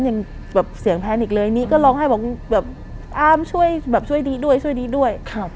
เหลือแบบเสียงแพนิคเลยก็ร้องให้บอกอาร์มช่วยดีด้วย